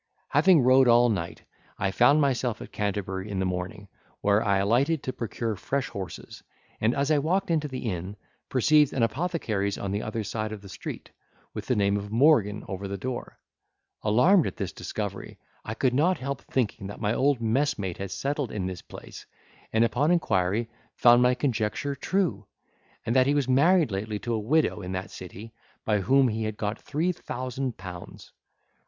Having rode all night, I found myself at Canterbury in the morning, where I alighted to procure fresh horses; and, as I walked into the inn, perceived an apothecary's on the other side of the street, with the name of Morgan over the door; alarmed at this discovery, I could not help thinking that my old messmate had settled in this place, and upon inquiry found my conjecture true, and that he was married lately to a widow in that city, by whom he had got three thousand pounds.